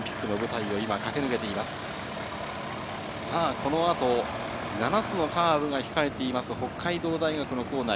この後７つのカーブが控えています、北海道大学構内。